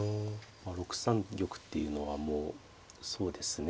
６三玉っていうのはもうそうですね